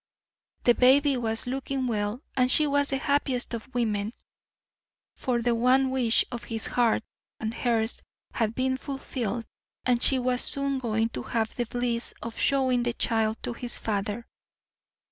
The baby was looking well and she was the happiest of women; for the one wish of his heart and hers had been fulfilled and she was soon going to have the bliss of showing the child to his father.